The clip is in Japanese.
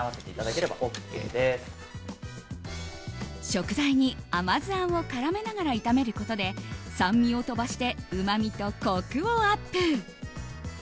食材に甘酢あんを絡めながら炒めることで酸味を飛ばしてうまみとコクをアップ。